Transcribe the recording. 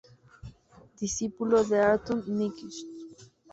Discípulo de Arthur Nikisch.